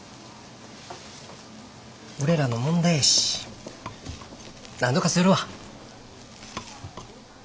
俺らの問題やしなんとかするわ。